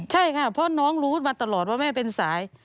ใช่ค่ะเพราะน้องรู้มาตลอดว่าแม่เป็นสาย